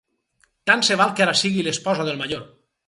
Tant se val que ara sigui l'esposa del major.